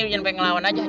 lu nyembang lawan aja jalan